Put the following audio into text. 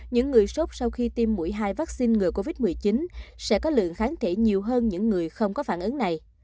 những người sốt sau khi tiêm mũi hai vaccine ngừa covid một mươi chín sẽ có lượng kháng thể nhiều hơn những người không có phản ứng này